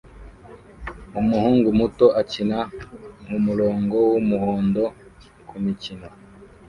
Umuhungu muto akina mumurongo wumuhondo kumikino